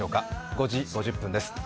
５時５０分です。